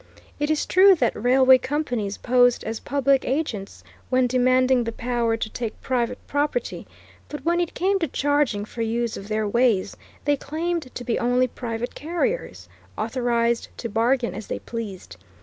It is true that railway companies posed as public agents when demanding the power to take private property; but when it came to charging for use of their ways, they claimed to be only private carriers, authorized to bargain as they pleased.